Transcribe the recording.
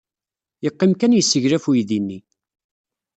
Yeqqim kan yesseglaf uydi-nni.